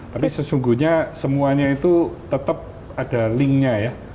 tapi sesungguhnya semuanya itu tetap ada link nya ya